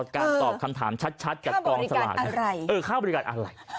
การตอบคำถามชัดชัดกับกองสลากค่าบริการอะไรเออค่าบริการอะไร